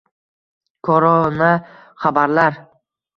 Koronaxabarlar